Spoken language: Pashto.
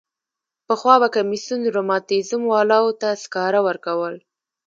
پخوا به کمیسیون رماتیزم والاوو ته سکاره ورکول.